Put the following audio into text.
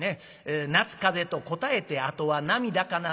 「夏風邪と答えてあとは涙かな」